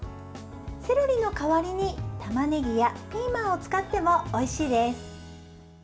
セロリの代わりにたまねぎやピーマンを使ってもおいしいです。